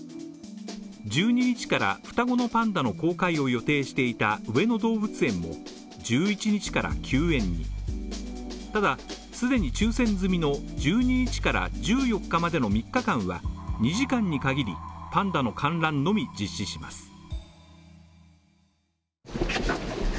１２日から双子のパンダの公開を予定していた上野動物園も１１日から休園にただ、既に抽選済みの１２日から１４日までの３日間は２時間に限り、パンダの観覧のみ実施します。